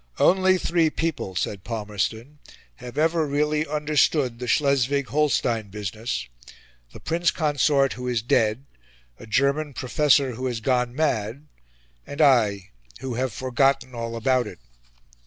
"Only three people," said Palmerston, "have ever really understood the Schleswig Holstein business the Prince Consort, who is dead a German professor, who has gone mad and I, who have forgotten all about it."